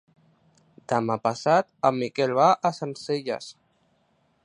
Demà passat en Miquel va a Sencelles.